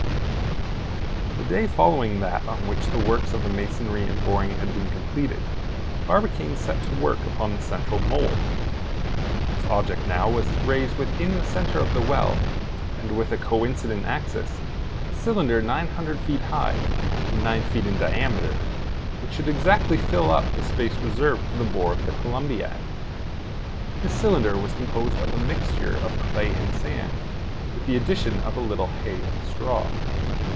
The day following that on which the works of the masonry and boring had been completed, Barbicane set to work upon the central mould. His object now was to raise within the center of the well, and with a coincident axis, a cylinder 900 feet high, and nine feet in diameter, which should exactly fill up the space reserved for the bore of the Columbiad. This cylinder was composed of a mixture of clay and sand, with the addition of a little hay and straw.